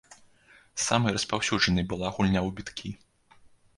Самай распаўсюджанай была гульня ў біткі.